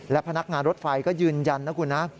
และพนักงานรถไฟก็ยืนยันนะคุณนะ